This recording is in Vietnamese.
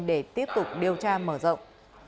để tiếp tục điều tra mở rộng